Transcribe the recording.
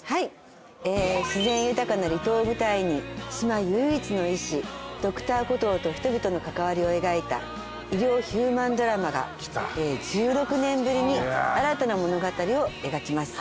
自然豊かな離島を舞台に島唯一の医師Ｄｒ．コトーと人々の関わりを描いた医療ヒューマンドラマが１６年ぶりに新たな物語を描きます。